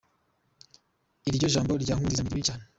Iryo jambo rya Nkurunziza ni ribi cyane.